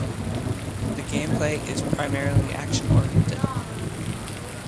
The gameplay is primarily action-oriented.